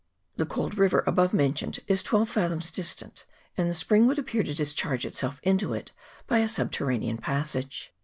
The cold river above mentioned is twelve fathoms distant, and the spring would appear to discharge itself into it by a subter ranean passage.